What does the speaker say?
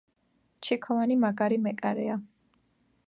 ჩიქოვანი მაგარი მეკარეა